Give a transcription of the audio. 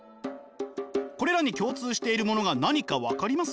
これらに共通しているものが何か分かります？